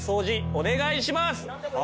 お願いします！